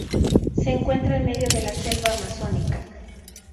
Se encuentra en medio de la selva amazónica.